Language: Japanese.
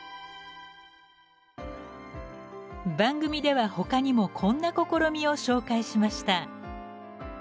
番組ではほかにもこんな試みを紹介しました。